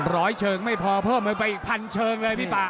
ร้อยเชิงไม่พอเพิ่มเงินไปอีกพันเชิงเลยพี่ป่า